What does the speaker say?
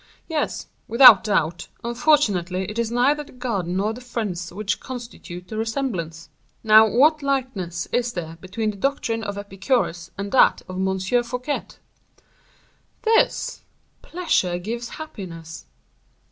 "Yes, without doubt; unfortunately it is neither the garden nor the friends which constitute the resemblance. Now, what likeness is there between the doctrine of Epicurus and that of M. Fouquet?" "This—pleasure gives happiness."